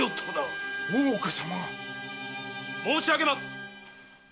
大岡様が⁉・申しあげます！